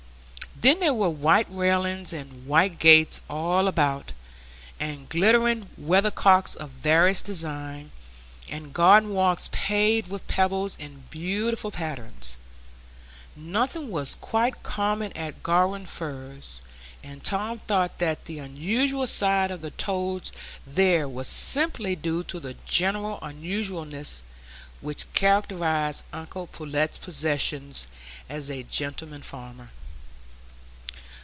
Then there were white railings and white gates all about, and glittering weathercocks of various design, and garden walks paved with pebbles in beautiful patterns,—nothing was quite common at Garum Firs; and Tom thought that the unusual size of the toads there was simply due to the general unusualness which characterised uncle Pullet's possessions as a gentleman farmer.